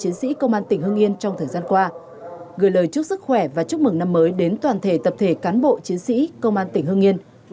chiến sĩ công an tỉnh hương yên trong thời gian qua gửi lời chúc sức khỏe và chúc mừng năm mới đến toàn thể tập thể cán bộ chiến sĩ công an tỉnh hương yên